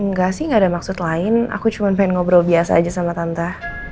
enggak sih gak ada maksud lain aku cuma pengen ngobrol biasa aja sama tante